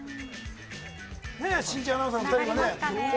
新人アナウンサーのお二人がね。